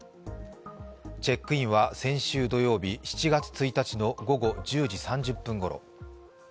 チェックインは先週土曜日７月１日の午後１０時３０分ごろ。